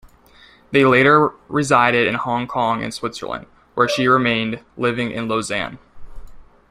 They later resided in Hong Kong and Switzerland, where she remained, living in Lausanne.